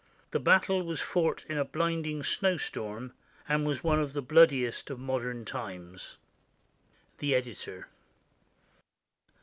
The battle was fought in a blinding snowstorm and was one of the bloodiest of modern times. The Editor.